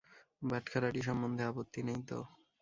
বাটখারাটি সম্বন্ধে আপত্তি নেই তো?